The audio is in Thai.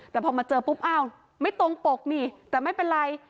แต่พอมาเจอปุ๊บอ้าวไม่ตรงปกนี่แต่ไม่เป็นไร